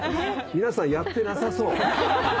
皆さんやってなさそう。